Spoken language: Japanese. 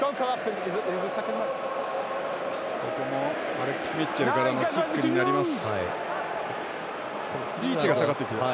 アレックス・ミッチェルからのキックになります。